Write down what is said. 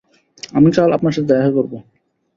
আমি কাল আপনার সাথে দেখা করব।